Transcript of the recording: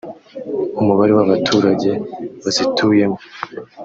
umubare w’abaturage bazituyemo